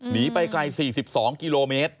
หนีไปไกล๔๒กิโลเมตร